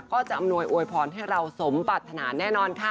อำนวยอวยพรให้เราสมปรัฐนาแน่นอนค่ะ